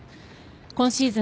今シーズン